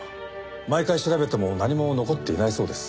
毎回調べても何も残っていないそうです。